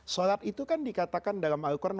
sholat itu kan dikatakan dalam al quran